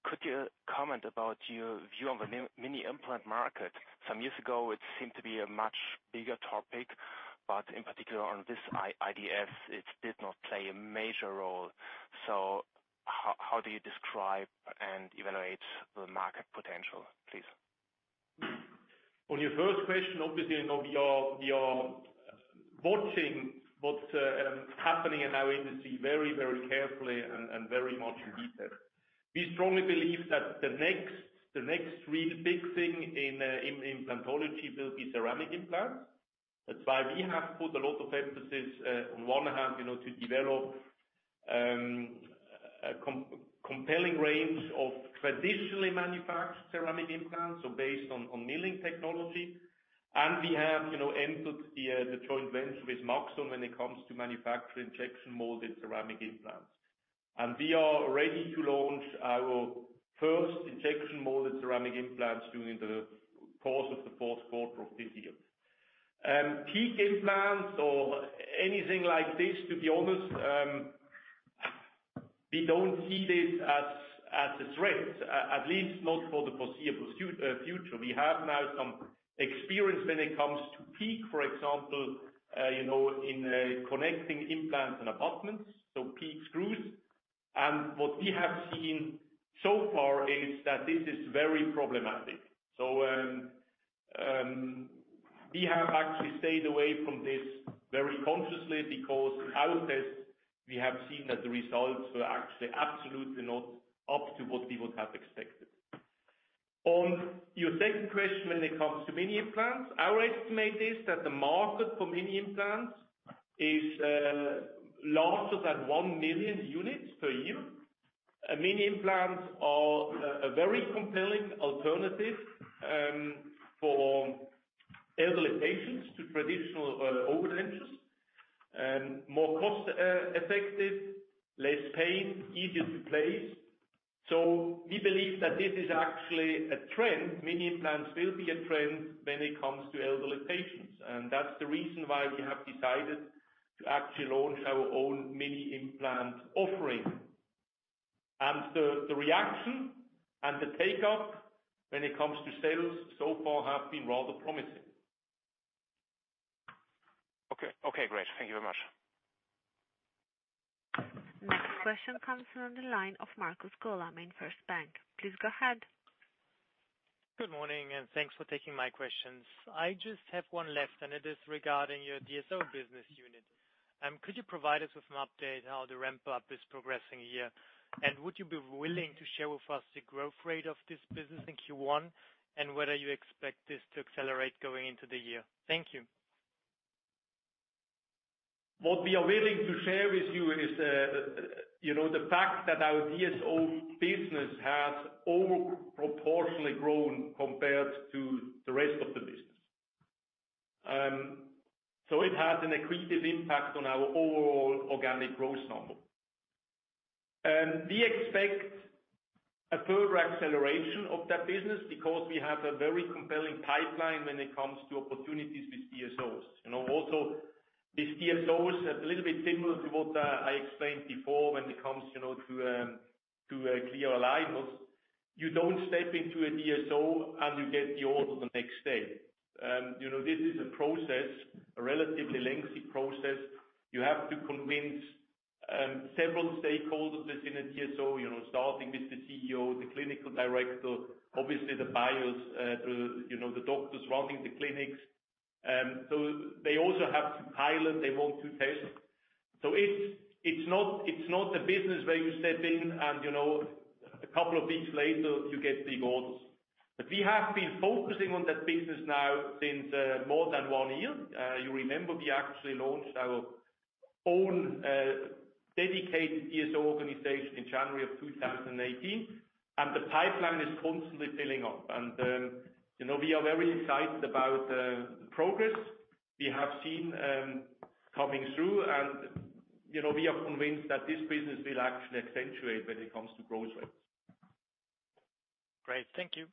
Could you comment about your view on the mini implant market? Some years ago, it seemed to be a much bigger topic. In particular on this IDS, it did not play a major role. How do you describe and evaluate the market potential, please? On your first question, obviously, we are watching what's happening in our industry very carefully and very much in detail. We strongly believe that the next real big thing in implantology will be ceramic implants. That's why we have put a lot of emphasis on one hand, to develop a compelling range of traditionally manufactured ceramic implants, so based on milling technology. We have entered the joint venture with maxon when it comes to manufacturing injection molded ceramic implants. We are ready to launch our first injection molded ceramic implants during the course of the fourth quarter of this year. PEEK implants or anything like this, to be honest, we don't see this as a threat, at least not for the foreseeable future. We have now some experience when it comes to PEEK, for example in connecting implants and abutments, so PEEK screws. What we have seen so far is that this is very problematic. We have actually stayed away from this very consciously because in our tests, we have seen that the results were actually absolutely not up to what we would have expected. On your second question, when it comes to mini implants, our estimate is that the market for mini implants is larger than 1 million units per year. Mini implants are a very compelling alternative for elderly patients to traditional overdentures, and more cost effective, less pain, easier to place. We believe that this is actually a trend. Mini implants will be a trend when it comes to elderly patients. That's the reason why we have decided to actually launch our own mini implant offering. The reaction and the take-up when it comes to sales so far have been rather promising. Okay, great. Thank you very much. Next question comes from the line of Markus Gola, MainFirst Bank. Please go ahead. Good morning, thanks for taking my questions. I just have one left, and it is regarding your DSO business unit. Could you provide us with an update how the ramp-up is progressing here? Would you be willing to share with us the growth rate of this business in Q1, and whether you expect this to accelerate going into the year? Thank you. What we are willing to share with you is the fact that our DSO business has over-proportionally grown compared to the rest of the business. It has an accretive impact on our overall organic growth number. We expect a further acceleration of that business because we have a very compelling pipeline when it comes to opportunities with DSOs. Also with DSOs, a little bit similar to what I explained before when it comes to clear aligners, you don't step into a DSO and you get the order the next day. This is a process, a relatively lengthy process. You have to convince several stakeholders within a DSO, starting with the CEO, the clinical director, obviously the buyers, the doctors running the clinics. They also have to pilot, they want to test. It's not a business where you step in and a couple of weeks later you get big orders. We have been focusing on that business now since more than one year. You remember we actually launched our own dedicated DSO organization in January of 2018. The pipeline is constantly filling up. We are very excited about the progress we have seen coming through, and we are convinced that this business will actually accentuate when it comes to growth rates. Great. Thank you.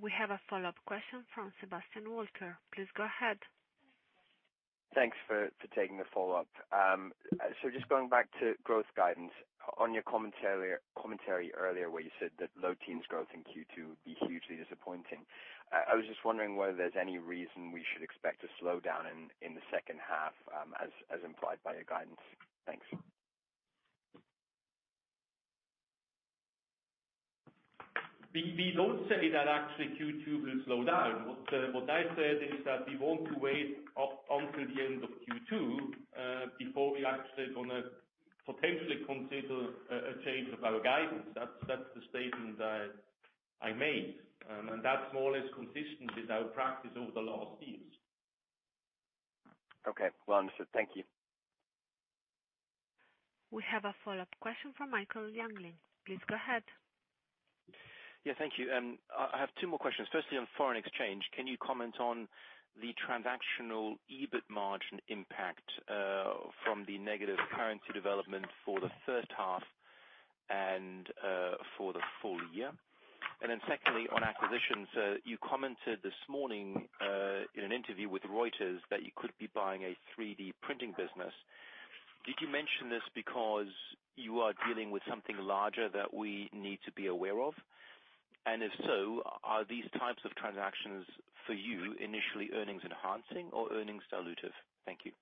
We have a follow-up question from Sebastian Walker. Please go ahead. Thanks for taking the follow-up. Just going back to growth guidance, on your commentary earlier where you said that low teens growth in Q2 would be hugely disappointing. I was just wondering whether there's any reason we should expect a slowdown in the second half as implied by your guidance. Thanks. We don't say that actually Q2 will slow down. What I said is that we want to wait up until the end of Q2, before we actually going to potentially consider a change of our guidance. That's the statement that I made. That's more or less consistent with our practice over the last years. Okay, well understood. Thank you. We have a follow-up question from Michael Jüngling. Please go ahead. Yeah, thank you. I have two more questions. Firstly, on foreign exchange, can you comment on the transactional EBIT margin impact from the negative currency development for the first half and for the full year? Secondly, on acquisitions, you commented this morning in an interview with Reuters that you could be buying a 3D printing business. Did you mention this because you are dealing with something larger that we need to be aware of? If so, are these types of transactions for you initially earnings enhancing or earnings dilutive? Thank you.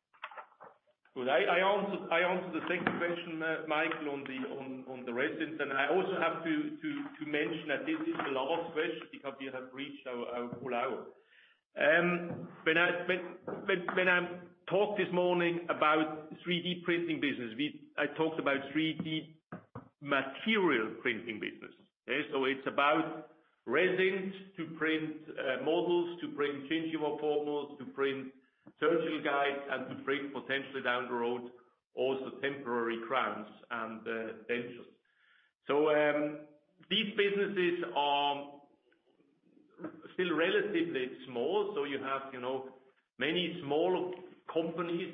Good. I answered the second question, Michael, on the resins. I also have to mention that this is the last question because we have reached our full hour. When I talked this morning about 3D printing business, I talked about 3D material printing business. It's about resins to print models, to print gingival forms, to print surgical guides, and to print potentially down the road, also temporary crowns and dentures. These businesses are still relatively small. You have many small companies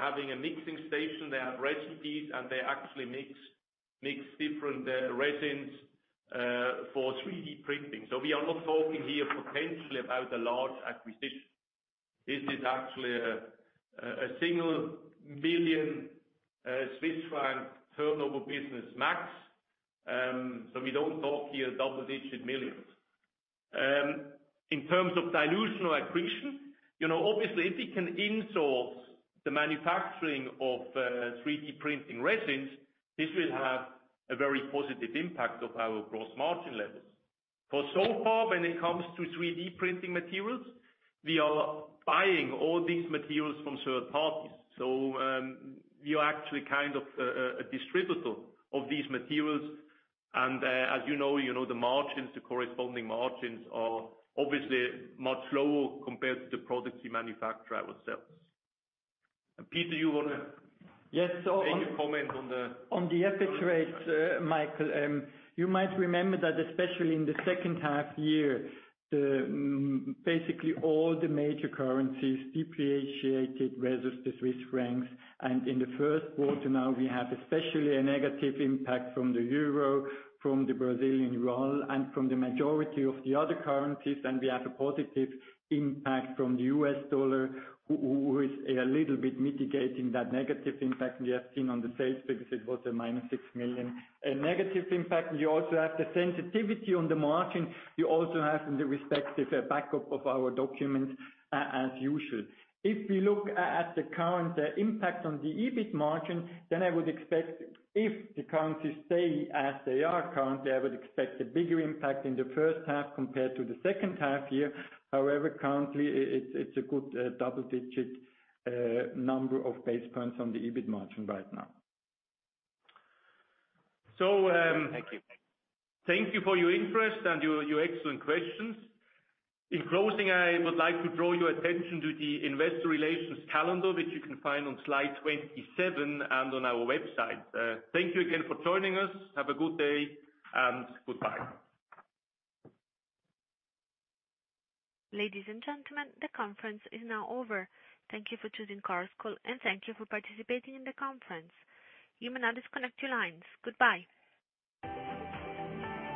having a mixing station. They have recipes, and they actually mix different resins for 3D printing. We are not talking here potentially about a large acquisition. This is actually a single million Swiss francs turnover business max. We don't talk here double-digit millions. In terms of dilutional accretion, obviously, if we can in-source the manufacturing of 3D printing resins, this will have a very positive impact of our gross margin levels. For so far, when it comes to 3D printing materials, we are buying all these materials from third parties. We are actually kind of a distributor of these materials. As you know, the margins, the corresponding margins are obviously much lower compared to the products we manufacture ourselves. Peter, you want to- Yes. make a comment on the- On the EBIT rates, Michael, you might remember that especially in the second half year, basically all the major currencies depreciated versus the Swiss francs. In the first quarter now, we have especially a negative impact from the euro, from the Brazilian real, and from the majority of the other currencies, and we have a positive impact from the U.S. dollar, which is a little bit mitigating that negative impact we have seen on the sales figures. It was a -6 million negative impact. You also have the sensitivity on the margin. You also have in the respective backup of our documents as usual. If we look at the current impact on the EBIT margin, then I would expect if the currencies stay as they are currently, I would expect a bigger impact in the first half compared to the second half year. However, currently, it's a good double-digit number of basis points on the EBIT margin right now. So- Thank you. Thank you for your interest and your excellent questions. In closing, I would like to draw your attention to the investor relations calendar, which you can find on slide 27 and on our website. Thank you again for joining us. Have a good day, and goodbye. Ladies and gentlemen, the conference is now over. Thank you for choosing Chorus Call, and thank you for participating in the conference. You may now disconnect your lines. Goodbye.